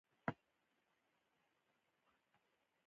افغانستان تر هغو نه ابادیږي، ترڅو مو مټې راپورته نه کړي.